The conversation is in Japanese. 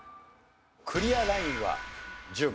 クリアラインは１０問。